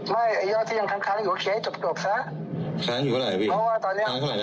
อืมไม่ไอ้ย่อที่ยังค้างค้างอยู่เคลียร์ให้จบจบซะค้างอยู่เวลาไหร่พี่เพราะว่าตอนเนี้ยค้างเท่าไหร่นะ